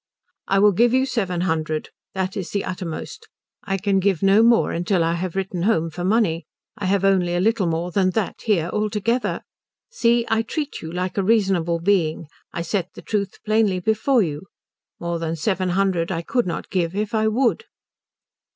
"I will give you seven hundred. That is the utter most. I can give no more till I have written home for money. I have only a little more than that here altogether. See, I treat you like a reasonable being I set the truth plainly before you. More than seven hundred I could not give if I would."